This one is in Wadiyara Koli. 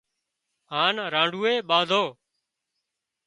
هانَ رانڍوئي ٻاڌيو